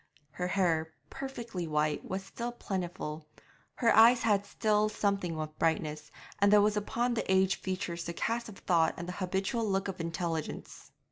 Her hair, perfectly white, was still plentiful; her eye had still something of brightness, and there was upon the aged features the cast of thought and the habitual look of intelligence.